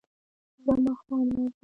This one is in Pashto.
زه ماښام راځم